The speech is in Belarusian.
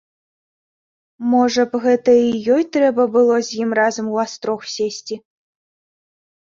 Можа б, гэта і ёй трэба было з ім разам у астрог сесці.